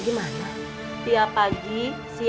gimana gini bapak ibu